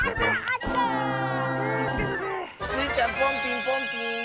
スイちゃんポンピンポンピーン！